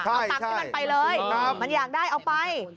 เอาตังค์ที่มันไปเลยมันอยากได้เอาไป